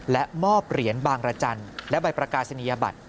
และมอบเหรียญบางรจันทร์และใบประกาศนียบัตร